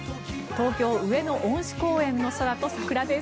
東京・上野恩賜公園の空と桜です。